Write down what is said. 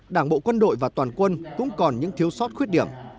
đảng bộ quân đội và toàn quân cũng còn những thiếu sót khuyết điểm